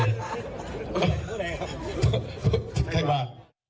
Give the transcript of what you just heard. แท่งมา